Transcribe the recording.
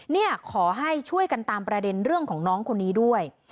เนี่ยขอให้ช่วยกันตามประเด็นเรื่องของน้องคนนี้ด้วย